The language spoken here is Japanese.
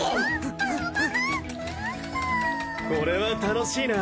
これは楽しいな。